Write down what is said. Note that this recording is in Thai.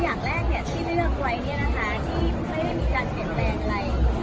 อย่างแรกที่เลือกไว้ที่ไม่ได้มีการเปลี่ยนแปลงอะไร